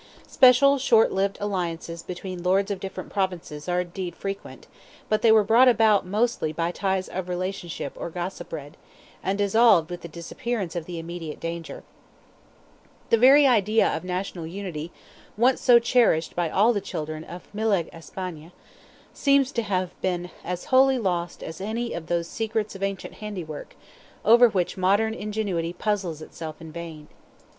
Special, short lived alliances between lords of different Provinces are indeed frequent; but they were brought about mostly by ties of relationship or gossipred, and dissolved with the disappearance of the immediate danger. The very idea of national unity, once so cherished by all the children of Miledh Espaigne, seems to have been as wholly lost as any of those secrets of ancient handiwork, over which modern ingenuity puzzles itself in vain.